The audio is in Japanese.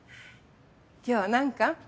今日は何巻？